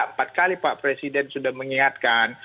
empat kali pak presiden sudah mengingatkan